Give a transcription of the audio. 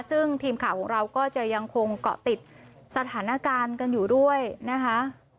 ซึ่งทีมข่าวของเราก็จะยังคงเกาะติดสถานการณ์กันอยู่ด้วยนะคะ